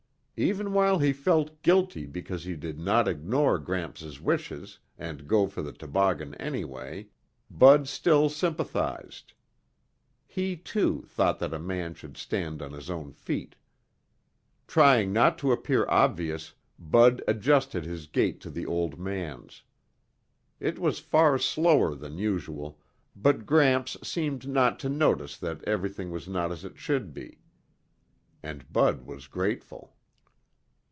Even while he felt guilty because he did not ignore Gramps' wishes and go for the toboggan anyway, Bud still sympathized. He, too, thought that a man should stand on his own feet. Trying not to appear obvious, Bud adjusted his gait to the old man's. It was far slower than usual, but Gramps seemed not to notice that everything was not as it should be, and Bud was grateful.